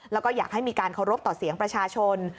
แล้วก็อยากให้มีการเคารพต่อเสียงประชาชน